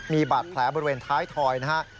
มีบาดแผลบริเวณท้ายถอยนะครับ